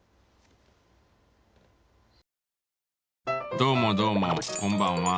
どうもどうもこんばんは。